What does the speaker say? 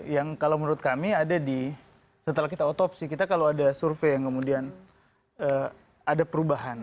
yang kalau menurut kami ada di setelah kita otopsi kita kalau ada survei yang kemudian ada perubahan